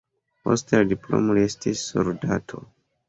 Post la diplomo li estis soldato.